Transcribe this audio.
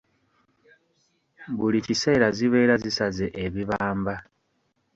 Buli kiseera zibeera zisaze ebibamba.